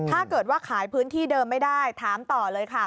ถ้าเกิดว่าขายพื้นที่เดิมไม่ได้ถามต่อเลยค่ะ